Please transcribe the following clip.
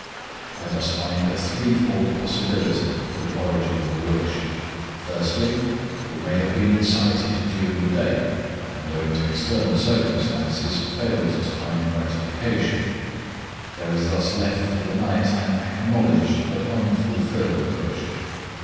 I thus find a threefold possibility for the origin of a wish. Firstly, it may have been incited during the day, and owing to external circumstances failed to find gratification, there is thus left for the night an acknowledged but unfulfilled wish.